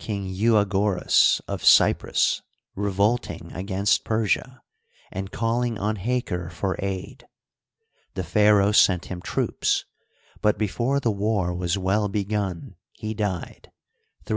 King Euagoras of Cyprus revolting against Persia, and calling on Haker for aid. The pharaoh sent him troops, but before the war was well begun he died (386 B.